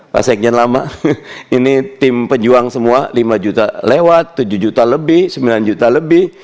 pak sekjen lama ini tim pejuang semua lima juta lewat tujuh juta lebih sembilan juta lebih